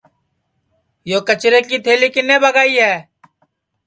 یو کچرے کی تھلی کِنے ٻگائی ہے